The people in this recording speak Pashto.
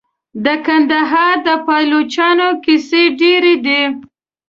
د کندهار د پایلوچانو کیسې ډیرې دي.